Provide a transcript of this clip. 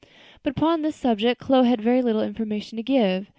But upon this subject Chloe had very little information to give.